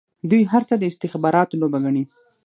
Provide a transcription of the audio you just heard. دوی هر څه د استخباراتو لوبه ګڼي.